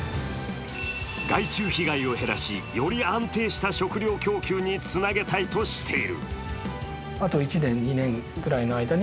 害虫被害を減らし、より安定した食料供給につなげたいとしている。